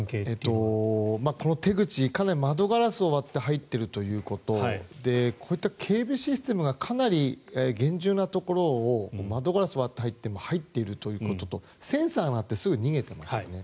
この手口窓ガラスを割って入っているということでこういった警備システムがかなり厳重なところを窓ガラスを割って入っているということとセンサーが鳴ってすぐ逃げていますよね。